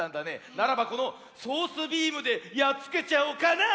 ならばこのソースビームでやっつけちゃおうかなあ。